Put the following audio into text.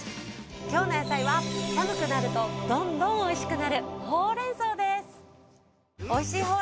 今日の野菜は寒くなるとどんどん美味しくなるほうれん草です。